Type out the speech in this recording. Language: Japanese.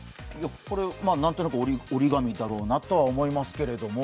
何となく折り紙だろうなと思いますけど。